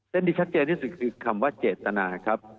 ที่ชัดเจนที่สุดคือคำว่าเจตนาครับ